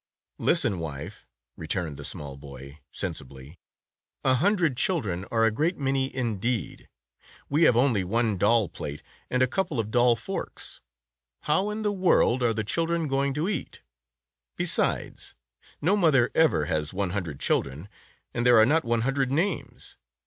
"Listen, wife," returned the small boy, sensibly, "a hundred children are a great many indeed. We have only one doll plate and a couple of doll forks. How in the world are the children going to eat ? Besides, no mother ever has one hundred children, and there are not one hundred names.